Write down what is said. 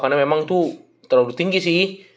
karena memang tuh terlalu tinggi sih